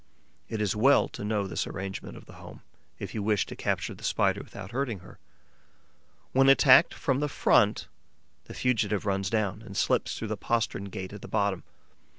It is well to know this arrangement of the home, if you wish to capture the Spider without hurting her. When attacked from the front, the fugitive runs down and slips through the postern gate at the bottom.